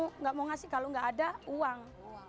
tidak mau memberi kalau tidak ada uang